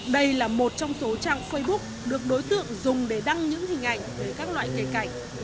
đây là một trong số trang facebook được đối tượng dùng để đăng những hình ảnh về các loại nghề cảnh